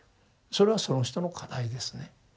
それはその人の課題ですね。